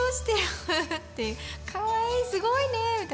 かわいいすごいね！みたいな。